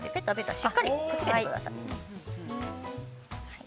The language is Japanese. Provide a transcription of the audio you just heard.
しっかりくっつけてください。